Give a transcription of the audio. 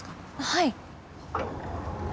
はい。